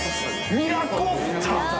ミラコスタ！